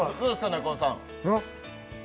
中尾さん